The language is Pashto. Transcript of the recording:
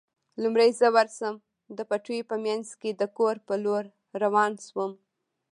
لومړی زه ورشم، د پټیو په منځ کې د کور په لور روان شوم.